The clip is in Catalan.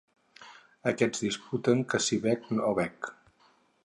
Aquests disputen que si bec no bec.